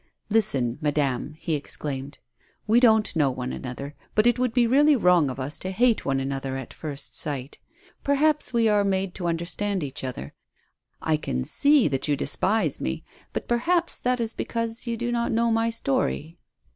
"Listen, madame," he exclaimed. "We don't know one another, but it would be really wrong of us to hate one another at first sight. Perhaps Ave are made to MADEMOISELLE FLA VIE. 83 understand eacli other. I can see that you despise me, but perhaps that is because you do not know my story."